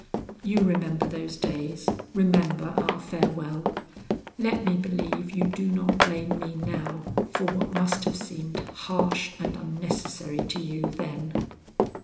You remember those days; remember our farewell. Let me believe you do not blame me now for what must have seemed harsh and unnecessary to you then.